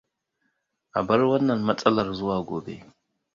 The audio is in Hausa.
Abar wannan matsalar zuwa gobe.